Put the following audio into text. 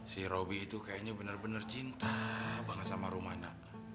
si robby itu kayaknya benar benar cinta banget sama rumana